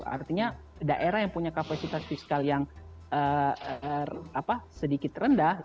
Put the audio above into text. artinya daerah yang punya kapasitas fiskal yang sedikit rendah